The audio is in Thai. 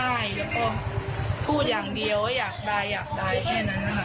ใช่แล้วก็พูดอย่างเดียวว่าอยากได้อยากได้แค่นั้นนะคะ